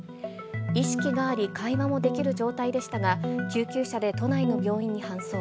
意識があり、会話もできる状態でしたが、救急車で都内の病院に搬送。